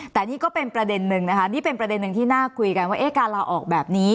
แต่นี่ก็เป็นประเด็นนึงนะคะนี่เป็นประเด็นหนึ่งที่น่าคุยกันว่าการลาออกแบบนี้